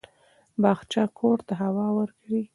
باغچه کور ته هوا ورکوي.